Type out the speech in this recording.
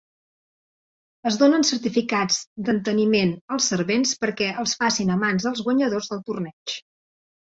Es donen certificats d'enteniment als servents perquè els facin a mans als guanyadors del torneig.